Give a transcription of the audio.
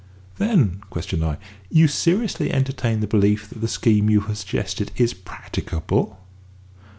"Then," questioned I, "you seriously entertain the belief that the scheme you have suggested is practicable?"